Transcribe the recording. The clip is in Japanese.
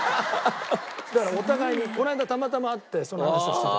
だからお互いにたまたま会ってその話をしてて。